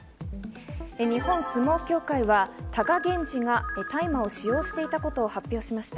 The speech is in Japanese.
日本相撲協会は貴源治が大麻を使用していたことを発表しました。